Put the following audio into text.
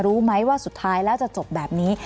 รู้ไหมว่าสุดท้ายแล้วจะจบแบบนี้